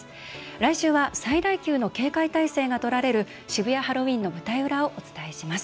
来週は最大級の警戒態勢がとられる渋谷ハロウィーンの舞台裏をお伝えします。